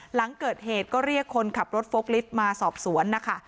หลังเกิดเหตุก็เรียกคนขับรถโฟกลิฟต์มาสอบสวนนะคะ